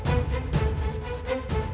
dan mendapatkan p deutschland